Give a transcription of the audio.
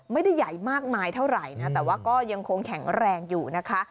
ไม่ได้ใหญ่มากมายเท่าไหร่นะแต่ว่าก็ยังคงแข็งแรงอยู่นะคะ